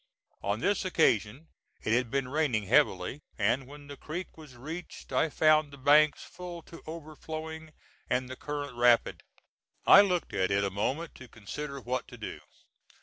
On this occasion it had been raining heavily, and, when the creek was reached, I found the banks full to overflowing, and the current rapid. I looked at it a moment to consider what to do.